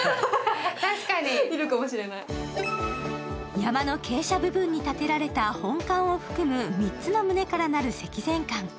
山の傾斜部分に建てられた本館を含む３つの棟からなる積善館。